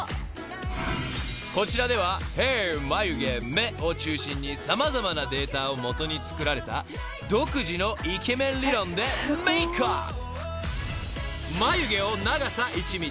［こちらでは「ヘア」「眉毛」「目」を中心に様々なデータを基に作られた独自のイケメン理論でメークアップ！］